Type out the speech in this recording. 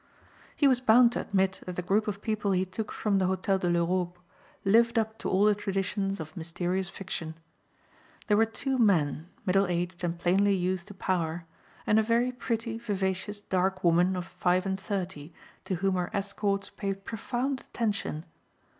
He was bound to admit that the group of people he took from the Hotel de l'Europe lived up to all the traditions of mysterious fiction. There were two men, middle aged and plainly used to power, and a very pretty vivacious dark woman of five and thirty to whom her escorts paid profound attention.